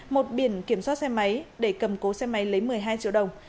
một biển kiểm soát xe máy để cầm cố xe máy lấy một mươi hai triệu đồng